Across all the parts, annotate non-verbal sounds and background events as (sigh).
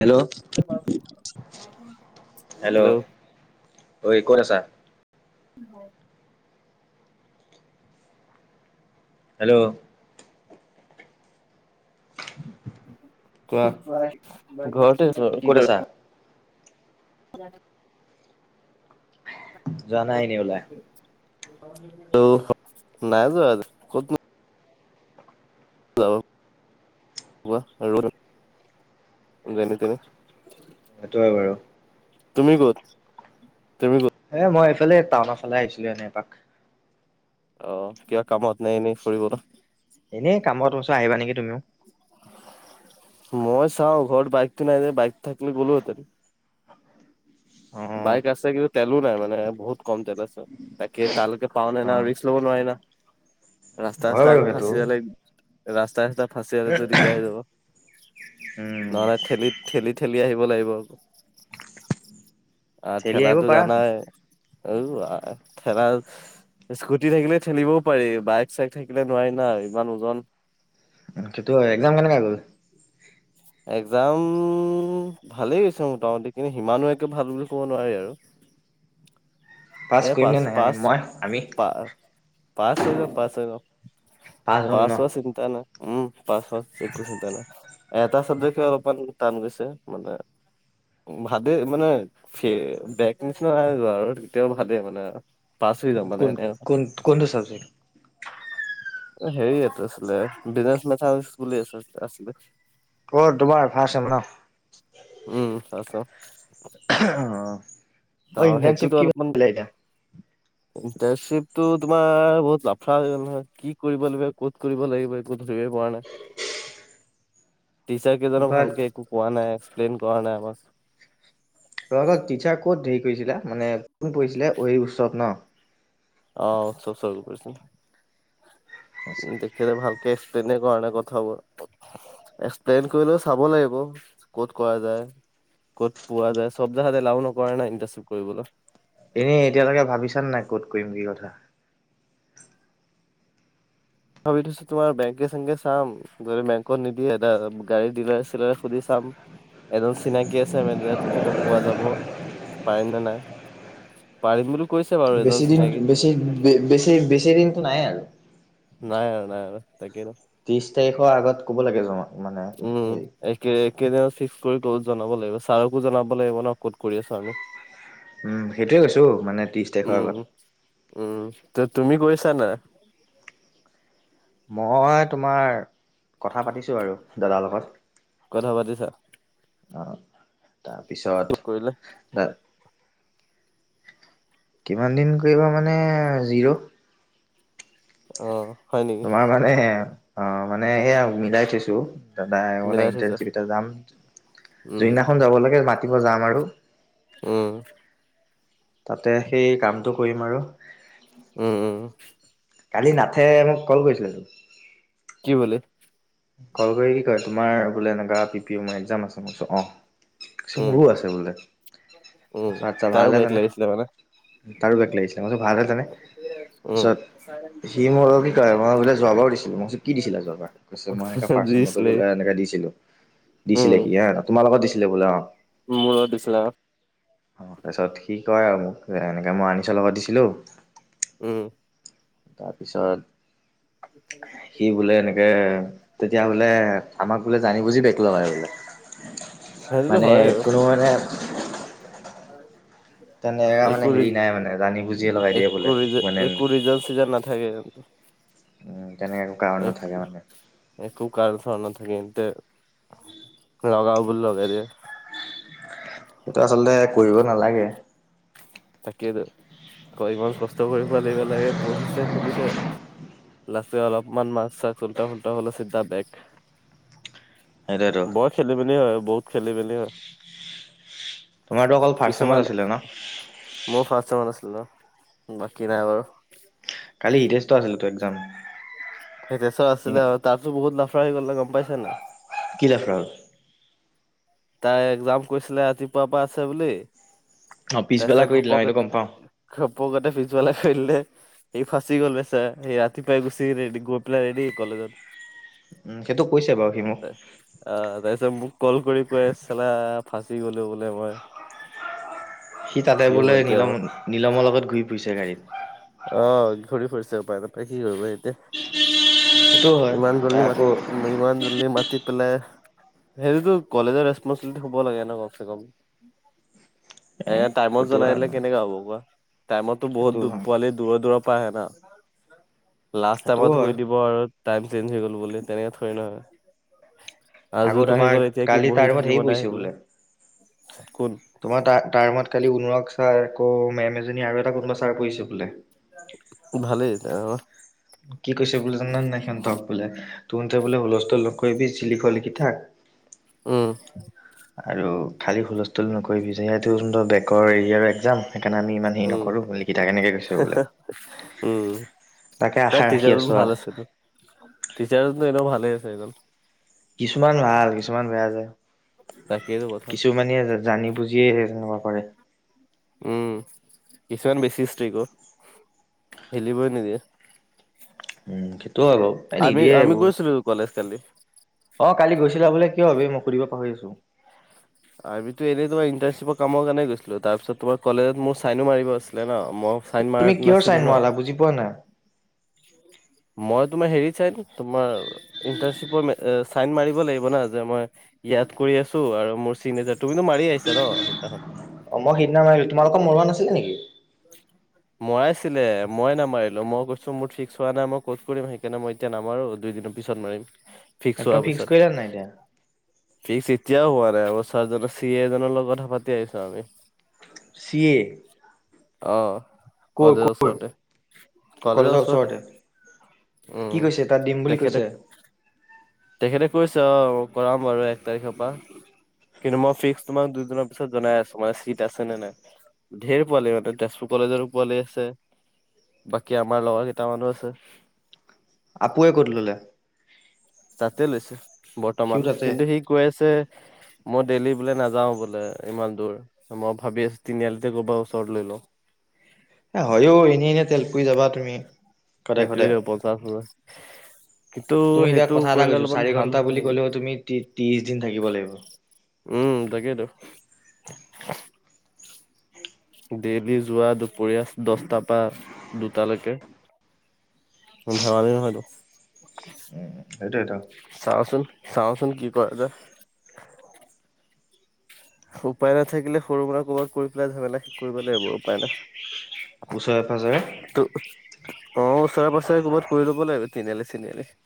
Hello (unintelligible) hello ঐ ক'ত আছা হেল্ল (inaudible) কোৱা ঘৰতে আছো আৰু ক'ত কি আছা? কৰিম ভাল (unintelligible) যোৱা নাই এনে ওলাই তো নাই যোৱা আজি। য আৰুানে তেনে (unintelligible) সেইটোৱে বাৰু। তুমি ক'ত, তুমি ক'ত? এ মই এইফালে টাউনৰ ফালে আহিছিলোঁ এনে এপাক। অ', কিবা কামত নাই এনেই ফুৰিবলৈ এনেই কামত আছোঁ আহিবা নেকি তুমিও। মই চাওঁ ঘৰত বাইকটো নাই যে বাইক থাকিলে গ'লোহেতেন। অ বাইক আছে কিন্তু তেলো নাই মানে বহুত কম তে পছ তাকে তালৈকে পাৱ নাই অ' ৰিক্স ল'ব নোৱাৰি না ৰাস্তা, হয় ৰাস্তা বাৰু (unintelligible) সেইটো। ফাচি যালে। ৰাস্তা চাস্তা ফাঁচি হলেতো দিগদাৰ হৈ যাব উম নহ'লে ঠেলি ঠেলি, ঠেলি আহিব লাগিব আকৌ। আহ চেলি ঠেলা আহিব পাৰাচোন। জানাই উ ঠেলা স্কুটি থাকিলে ঠেলিবও পাৰি বাইক, চাইক থাকিলে নোৱাৰি না ইমান ওজন উ সেইটো এক্সাম কেনেকা গ'ল। এক্সাম ভালেই হৈছে মোটামুটি কিন্তু সিমানো একো ভাল বুলি ক'ব নোৱাৰি আৰু। পাছ এ কৰিম পাচ নে নাই আমি পাচ মই আমি পা পাঁচ হৈ যাম, পাঁচ হৈ যাম পাছ হ'ম পাঁচ ন? পছ ত নে উম পাঁচ পচ একছোন ত নে (unintelligible) এটা চাব্জেক্টে অলপমান টান গৈছে মানে ভাদে মানে বেক নিচিনা নাই যোৱা আৰু কেতিয়াও ভাদে মানে আৰু। পাচ হৈ যাম মানে কোন এনে। কোন কোনটো চাবজেক্ট? হেৰি আছিলে বিজনেচ মেথিক বুলি আ আছিলে। ঘৰ‌ দুৱাৰ (unintelligible) উম পাছত অ', তাৰ ইণ্টাৰ্শ্বিপ কি (unintelligible) এয়া ইণ্টাৰ্ণশ্বিপতটো তোমাৰ বহুত লাফ্ৰা হৈ গ'ল নহয় কি কৰিব লাগিব ক'ত কৰিব লাগিব ক'ত ধৰিবই পৰা নাই। (unintelligible) টিচাৰ কেইজক ভালকে তোমালোকৰ একো কোৱা নাই এক্সপ্লেইন কৰা নাই আমাক। তহঁতৰত টিচাৰ ক'ত দেৰি কৰিছিলে মানে কোন পৰিছিলে অ', উৎসৱ ন। অ', উৎসৱ চৰ কৰিছে দেখ সিহঁতে ভালকে এক্সপ্লেইনে কৰা নাই কথাবোৰ। এক্সপ্লেইন কৰিলেও চাব লাগিব ক'ত কৰা যায়। ক'ত পোৱা যায় চব জেগাতে এলাও নকৰে নাই ইণ্টাৰশ্বিপ কৰিবলৈ। এনেই এতিয়ালৈকে ভাবিছা নাই ক'ত কৰিম কি কথা ভাবি থৈছোঁ তোমাৰ বেংকে চেংকে চাম। গৈ বেংকত নিদিয়ে ডাইৰেক্ট গাড়ী ডিলাৰ চিলাৰ সুধি চাম। এজন চিনাকী আছে মেনেজাৰ তেখেতক কোৱা যাব পাৰিম নে নাই। পাৰিম বুলি কৈছে বাৰু বেছি এজন দিন চিনাকি বেছি বেছি বেছি দিনটো নাই আৰু। নাই, আৰু নাই তাকে ন। ত্ৰিশ তাৰিখৰ আগত ক'ব লাগে জমা মানে উম হেৰি এ কে কেইদিনত ফিক্স কৰি ক'ত জনাব লাগিব ছাৰকো জনাব লাগিব ন ক'ত কৰি আছো আমি উম সেইটোৱে কৈছো মানে ত্ৰিশ তাৰিখৰ উম আগত উম ত তুমি কৰিছা নাই মই তোমাৰ কথা পাতিছো আৰু দাদাৰ লগত কথা পাতিছা অ তাৰপিছত কৰিলে এ কিমান দিন কৰিবা মানে জিৰ' অ হয় নেকি তোমাৰ মানে হে অ মানে এয়া মিলাই থৈছো তাপা মানে মিলাই থৈছা ইণ্টাৰ্ণশ্বিপ এটা যাম উম যিদিনাখন যাব লাগে মাতিব যাম আৰু উম তাতে সেই কামটো কৰিম আৰু উম উম কালি নাথে মোক কল কৰিছিলে তোৰ কি বুলি কল কৰি কি কয় তোমাৰ বোলে এনেকোৱা পি পি এমৰ এক্জাম আছে মোৰ ওচৰত অ চ উম মোৰো আছে বোলে উম তাৰছত আচ্ছা তাৰো ভালে বেক মানে লাগিছিলে তাৰো ব্ৰেক লাগিছিলে মই কৈছো ভাল হৈছেনে উম তাৰপিছত সি মোক কলে কি মই বোলে যোৱাবাৰো দিছিলো মই কৈছো কি দিছিলা যোৱাবাৰ কৈছে মই এনেকা ফাৰ্ষ্ট টাইমতো দিছিলে বোলে এনেকা দিছিলো উম দিছিলে কি হ তোমাৰ লগত দিছিলে বোলে অ মূৰত দিছিলো আও অ তাৰপিছত সি কয় আৰু মোক এনেকে মই আনিছৰ লগত দিছিলো উম তাৰপিছত সি বোলে এনেকে তেতিয়া বোলে আমাঞ্জননশননননননশনননননশনননননননশনননশশননননশনশশনশনননননশনশননশনশনননননশননননন নন নন নন নন নন ননকনন নন নন শনশ্ননশক বোলে জানি বুজি দলগাই বোলেঞ্জ সেইটোতো হয় মানে আৰু কোনো মানে তেনেকা মানে একো ৰি হেৰি নাই মানে জানি বুজি একো ৰিজন একো ৰিজন চিজন নাথাকে উম তেনেকে একো কাৰণ নাথাকে মানে একো কাৰণ চাৰণ নাথাকে সিনতে লগাও বুলি লগাই দিয়ে। এইটো আচলতে কৰিব নালাগে তাকেইতো আকৌ ইমান কষ্ট কৰিব লাগিব লাগে পঢ়িছে সুধিছে। লাষ্টে অলপমান মাক্স চাক্স উল্ট পুল্টা হলে চিধা বেগ সেইটোৱেইটো খেলি মেলি হয় বহুত খেলি মেলি হয় তোমাৰতো অকল ফাৰ্ষ্ট কিছুমান চেমত আছিলে ন মোৰ ফাৰ্ষ্ট চেমত আছিল ন বাকী নাই বাৰু কালি হিতেজষ্টটো আছিলতো এক্সাম সেই বেছৰ আছিল আৰু তাৰ পাছত বহুত লাফৰা হৈ গল তই গম পাইছনে নাই কি লাফৰা হল তাই একজাম কৈছিলে ৰাতিপুৱা পৰা আছে বুলি অ তাৰপিছত পিছবেলা কৰি দিলে আও ঘপকে এইটো গম পাও ঘপকতে পিছফালে কৰি দিলে সিই ফাচি গল বেছেৰা সি ৰাতিপুৱা গুচি গেলে গৈ পেলাই ৰেডী সি কলেজত উম সেইটো কৈছে বাৰু সি মোক। আহ তাৰপিছত মোক কল কৰি কৈ আছে চালা ফাঁচি গলো বোলে মই। সি তাতে কি হ'ব বোলে এতিয়া নীলম মোৰ নীলমৰ লগত ঘূৰি ফুৰিছে গাড়ীত। অঁ ঘূৰি ফুৰিছে উপায় নাপায় কি কৰিব হেই- তে সেইটোও হয় ইমান তাৰ জলদি আকৌ মাত ইমান জলদি মাতি পেলাই- সেইটো টো কলেজৰ ৰেচপনচিবিলিটি হব লাগে ন কমচে কম। (inaudible) এ টাইমত জনাই ফটোৱা দিলে নহয় কেনেকা হ'ব কোৱা? টাইমতটো সেইটো বহুতো- হয়। দূৰ দূৰৰ পৰা আহে না লাষ্ট সেইটোও টাইমত হয় কৈ দিব আৰু- টাইম চেঞ্জ হৈ গল বুলি তেনেকে থয় না। আ আকৌ জুদ আহি তোমাৰ গ'ল এতিয়া কি কালি তাৰ বহি ৰুমত থাকিব হেৰি তাই পৰিছে আহিবেলে বোলে কোন? তোমাৰ তাৰ তাৰ মত কালি অনুৰাগ ছাৰ আকৌ মেম এজনী আৰু এটা কোনোবা ছাৰ কৰিছে বোলে। ভালেই অঁহ। কি কৈছে বোলে জানানে নাই সিহঁতক বোলে তুহঁতে বোলে হুলস্থুল নকৰিবি, যি লিখ লিখি থাক- উম' আৰু খালী হুলস্থুল নকৰিবি, যিহেতু তহঁতৰ বেকৰ এৰিয়াৰ এক্জাম সেইকাণে আমি ইমান- হেৰি উম' নকৰোঁ লিখি থাক এনেকে কৈছে বোলে উম' তাকে নাই, আশা ৰাখি টিচাৰজন আছোঁ আৰু ভাল আছেতো টিচাৰজনটো এনেইয়ো ভালে আছে এইজন। কিছুমান ভাল কিছুমান বেয়া যে তাকেইতো কথা কিছুমানে জানি বুজি- যিয়েহে তেনেকুৱা কৰে। উম' কিছুমান বেছি স্ত্ৰীক অও খেলিবই নিদিয়ে। উম' সেইটো আৰু। এই আমি, নিদিয়ে আমি এইবোৰ গৈছিলোঁ কলেজ কালি। অ' কালি গৈছিলা বোলে, কিয় বে, মই সুধিব পাহৰি আছোঁ। আৰ্মিতো এনেই তোমাৰ ইনটাৰশ্বিপৰ কামৰ কাৰণেই গৈছিলোঁ, তাৰ পিছত তোমাৰ কলেজত মোৰ চাইনো মাৰিব আছিলে ন, ম- চাইন তুমি মাৰাত কিহৰ চাইন নাছিলোঁ ন। মৰালা বুজি পোৱা না- মই তোমাৰ হেৰিত চাইত তোমাৰ- ইণ্টাৰশ্বিপৰ চাইন মাৰিব লাগিব না, যে মই ইয়াত কৰি আছোঁ আৰু মোৰ চিগনেছাৰ- তুমিনো মাৰি আহিছা ন সেইদিনাখন। অ' মই সেইদিনা মাৰিলোঁ। তোমালোকৰ মৰোৱা নাছিলে নেকি? (inaudible) মৱাইছিলে মই নামাৰিলোঁ। মই কৈছোঁ, মোৰ ফিক্স হোৱা নাই, মই ক'ছ কৰিম সেইকাৰণে মই- এতিয়া নামাৰোঁ, দুই দিনৰ পিছত মাৰিম ফিক্স একদম হোৱাৰ পিছত। কৰিলা নাই এতিয়া ফিক্স এতিয়াও হোৱা নাই। আমাৰ ছাৰজনৰ চি এ জনৰ লগত কথা পাতি আহিছোঁ আমি। C A. অঁ' কৰ কলেজৰ কৰ ওচৰতে, কলেজৰ ওচৰতে। কি উম, কৈছে তাত দিম বুলি কৈছে তেখেতে- তেখেতে কৈছে অঁ' কৰাম বাৰু এক তাৰিখৰ পৰা। কিন্তু, মই ফিক্স তোমাক দুদিনৰ পিছত জনাই আছোঁ, মানে চিট আছে নে নাই। ঢেৰ পোৱালি অঁ তেতিয়া তেজপুৰ কলেজৰো পোৱালি আছে। বাকী আমাৰ লগৰ কেইটামানো আছে। আপুুৱে ক'ত ল'লে? তাতে লৈছে সিও বৰ্তমান, তাতে কিন্তু সি কৈ আছে- মই ডেইলি বোলে নাযাওঁ বোলে ইমান দূৰ। মই ভাবি আছোঁ, তিনিআলিতে ক'ৰবা ওচৰত লৈ লওঁ! এ' হৈয়ো এনেই-এনেই তেল পুৰি যাবা তুমি। সদায় সদায় সেইটোৱে কথাটো। তুমি এতিয়া কথা এটা কৈছোঁ, চাৰি ভাল ঘন্টা হ'ব বুলি নেকি? কলেও তুমি তি- ত্ৰিশ দিন থাকিব লাগিব। উমঁ, তাকেইটো। ডেইলি যোৱা দুপৰীয়া দ'হটা পা দুটালৈকে। ধেমালি নহয়টো। উম, সেইটোৱেইতো। চাওঁচোন, চাওঁচোন কি কৰা যায়। উপায় নাথাকিলে সৰু-সুৰা ক'ৰবাত কৰি পেলাই ঝামেলা শেষ কৰিব লাগিব, উপায় নাই। ওচৰে পাজৰে তো- অ' ওচৰে-পাছৰে ক'ৰবাত কৰি ল'ব লাগিব, তিনিআলি- চিনিআলিত।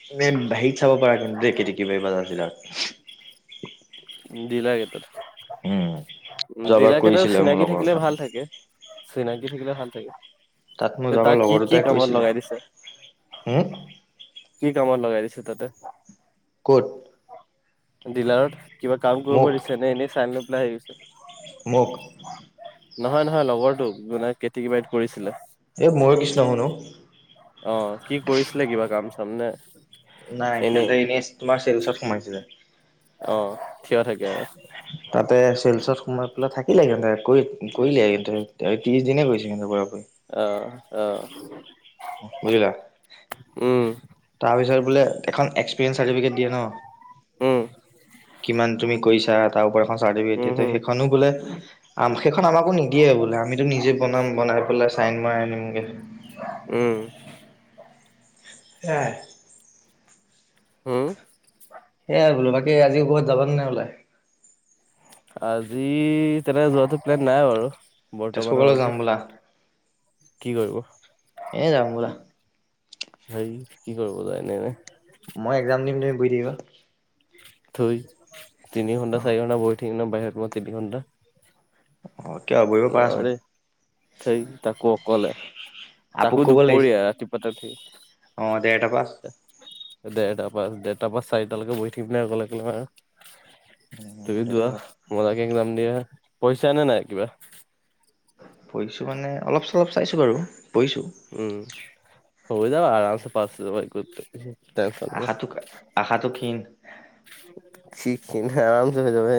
(unintelligible) হেৰিত চাব পাৰা, কিন্তু দেই (unintelligible) দিলাৰ ৰিটত। উম উম, যোৱাবাৰ জিলাকেইতাও কৰিছিলে মোৰ চিনাকি লগৰ থাকিলে এটা ভাল থাকে, চিনাকি থাকিলে ভাল থাকে। তাত মোৰ তে যোৱাবাৰ তাক লগৰ কি' কি' দুটাই কামত কৰিছিলে লগাই দিছে? হম কি কামত লগাই দিছে তা'তে? ক'ত? ডিলাৰত কিবা কাম কৰিব মোক দিছে নে এনেই চাই লৈ পেলাই? মোক? নহয়-নহয় লগৰটোক। যোনে কেতি কিবাৰত কৰিছিলে। এই মইও কিছুমান শুনো। অঁহ', কি কৰিছিলে, কিবা কাম-চাম নে? নাই, সিহঁতে এনেই তোমাৰ চেলছত ওচৰত সোমাইছে। অঁহ', থিয় থাকে। তা'তে চেলছত সোমাই পেলাই থাকিলে সিঁহতে কৰি-কৰিলে, কিন্তু ত্ৰিশ দিনে কৰিছে কিন্তু পুৰা-পুৰি। অহ', -অহ', -। বুজিলা? উমঁ। তাৰপিছত বোলে এখন এক্স- প্ৰেছন চাৰ্টিফিকেট দিয়ে ন' উম কিমান তুমি কৰিছা। তাৰো পৰা এখন চাৰ্টিফিকেট উম দিয়ে। হম সেইখনো বোলে- আমাক সেইখন আমাকো নিদিয়ে বোলে, আমিতো নিজেই বনাম, বনাই পেলাই চাইন মাৰাই আনিম গৈ। উমঁ। (unintelligible) হুম? এয়াই বোলো। বাকী' আজি ক'ৰবাত যাবা নে বোলে? আজি তেনেকে যোৱাটো প্লেন নাই বাৰু। তেজপুৰ কলেজ বৰ্তমানলৈকে, যাম বোলা কি কৰিব। এনে যাম বোলা হেৰি কি কৰিব যায় এনেকে। মই এক্সাম দিম, তুমি বহি থাকিবা। থুইট, তিনি ঘণ্টা, অ চাৰি ঘন্টা, বহি থাকিম না বাহিৰত পৰা তিনি ঘণ্টা। অ' কিয়? বহিব পাৰাচোন। থেই তাকো অকলে। আপুক তাকো ক'ব লাগিছিল দুপৰিয়া। ৰাতি পুৱাটো অ ডেৰটা পাছ দেৰটাৰ পা দেৰটাৰ পৰা চাৰিটালৈকে বহি থাকিম নে অকলে-অকলে। তুমি সেইটো যোৱা হয় মোলাকে একদাম দিয়া পইচা নে নাই কিবা। পঢ়িছো মানে অলপ চলপ চাইছোঁ বাৰু পঢ়িছোঁ। উম হৈ যাব আৰাামচে পাঁচশাই কৰি। আশাটো আশাটো (unintelligible) ক্ষীণ শিক ন আৰামচে হৈ যাব।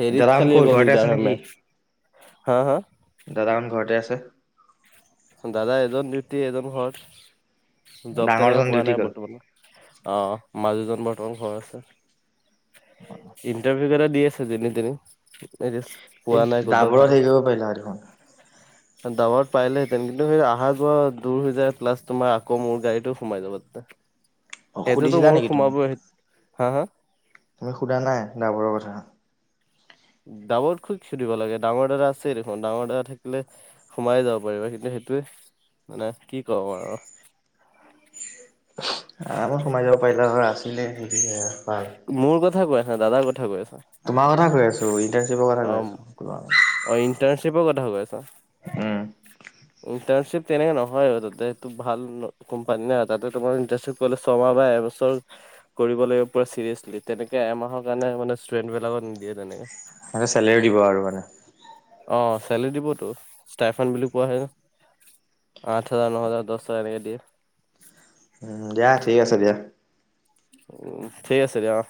হেৰিত দাদাহত খালি ক'ত একবাৰ ঘৰতে আছে দিগদাৰ হয় মে হা হা। দাদামান ঘৰতে আছে। দাদা এজন ডিউটি এজন ঘৰত জব তেনেকে ডাঙৰজন পোৱা ডিউটি নাই গ'ল বৰ্তমানত। অ মাজহজন বৰ্তমান ঘৰ আছে ইনটাৰভি। দি আছে যেনি তেনি এই পোৱা নাই কৰবাত দাবৰত ভাল। হেৰি কৰিব পাৰিলা হয় দেখোন দামত পাইলে। তেন কিন্তু সেই অহা যোৱা দূৰ হৈ যায় প্লাছ তোমাৰকৌ মোৰ গাড়ীতটো সোমাই যাবাতে। অ সেইটোতো সুধিছিলা মোৰ নেকি তুমি সোমাবই হা হা। তুমি সোধা নাই ড্ৰাইভাৰৰ কথা। ডাবৰ খুব খি দিব লাগে ডাঙৰ দাদা আছে দেখোন ডাঙৰ দাদা থাকিলে। সোমাইে যাব পাৰিবা কিন্তু সেইটোৱে মানে কি কম আৰু। আৰামত সোমাই যাব পাৰিলা হয় আছিলে সিহঁতি সেয়া। মোৰ কথা কৈ আছো দাদাৰ কথা কৈ আছা। তোমাৰ কথা কৈ আছো ইণ্টাৰ্শ্বিপৰ কথা কৈছো। অঁ ইণ্টাৰ্শ্বিপৰ কথা কৈ আছা। উম ইণ্টাৰ্শ্বিপৰ তেনেকে নহয় অ তাতে ভাল কম্পান না তাতে তোমাৰ ইণ্টাচিপ। ক'লে ছমাহ বা এবছৰ কৰিব লাগিব। পূৰা ছিৰিয়াছলি তেনেকে এমাহৰ কাৰণে মানে ষ্টুডেণ্টিলাক নিদিয়ে তেনেকে। মানে চেলেৰী দিব আৰু মানে। অ চেলেৰি দিবতো ষ্টাইফান বুলি কোৱা হয় ন। আঠ হাজাৰ- ন হাজাৰ -দহ হাজাৰ এনেকে দিয়ে। উম দিয়া ঠিক আছে দিয়া। উ ঠিক আছে দিয়া অ।